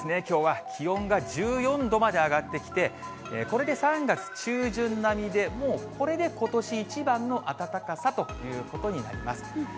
きょうは気温が１４度まで上がってきて、これで３月中旬並みで、もうこれでことし一番の暖かさということになります。